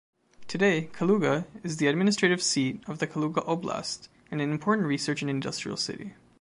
Today Kaluga is the administrative seat of the Kaluga oblast and an important research and industrial city.